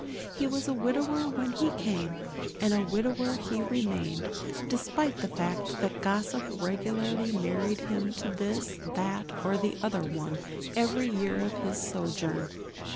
He was a widower when he came, and a widower he remained, despite the fact that gossip regularly married him to this, that, or the other one, every year of his sojourn.